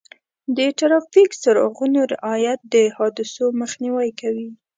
د ټرافیک څراغونو رعایت د حادثو مخنیوی کوي.